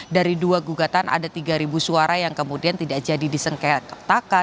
dari dua gugatan ada tiga suara yang kemudian tidak jadi disengkeptakan